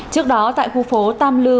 trước đó tại khu phố tam lư